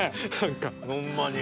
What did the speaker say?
ホンマに。